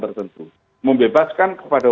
tertentu membebaskan kepada